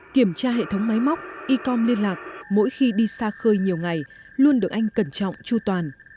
kiểm tra hệ thống máy móc e com liên lạc mỗi khi đi xa khơi nhiều ngày luôn được anh cẩn trọng chu toàn